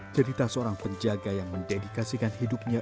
cerita seorang penjaga yang mendedikasikan hidupnya